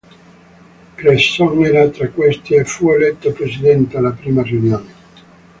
Cresson era tra questi e fu eletto presidente alla prima riunione.